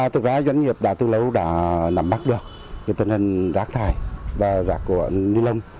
thực ra doanh nghiệp từ lâu đã nằm mắt được tình hình rác thải và rạc của ní lông